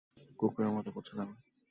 কুকুরের মতো করছো কেন?